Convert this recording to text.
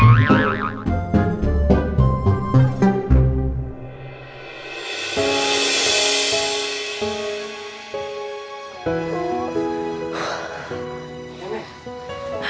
jangan ke sini ke situ